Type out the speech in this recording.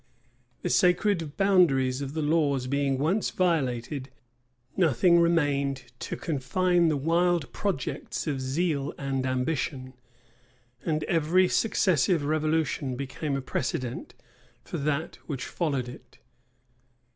The sacred boundaries of the laws being once violated, nothing remained to confine the wild projects of zeal and ambition: and every successive revolution became a precedent for that which followed it.